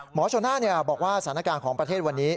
โชน่าบอกว่าสถานการณ์ของประเทศวันนี้